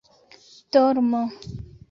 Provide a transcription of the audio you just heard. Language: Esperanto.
dormo